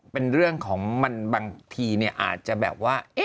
เป็นเรื่องของมันบางทีอาจจะแบบว่า